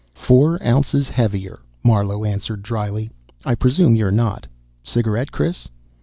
"Four ounces heavier," Marlowe answered dryly. "I presume you're not. Cigarette, Chris?"